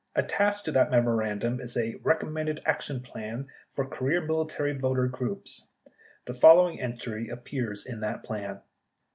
Attached to that memo randum is a "Recommended Action Plan For Career Military Voter Group" ; the following entry appears in the plan : Action Step No.